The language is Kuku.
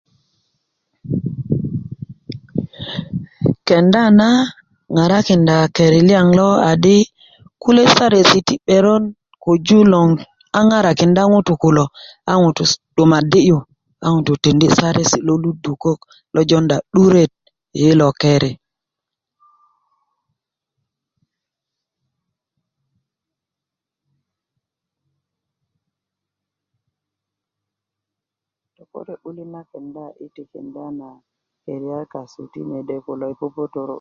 kenda na ŋarakinada keri liyaŋ lo adi kulye saresi ti 'berön köju loŋ a ŋarakinda ŋutuu kulo a ŋutu 'dumadi yu a ŋutu tidini' saresi lo ludukök lo jonda 'duret yi yilo keri